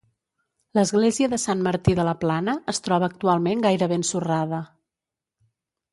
L'església de Sant Martí de la Plana es troba actualment gairebé ensorrada.